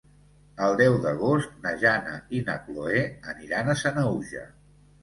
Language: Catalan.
El deu d'agost na Jana i na Chloé aniran a Sanaüja.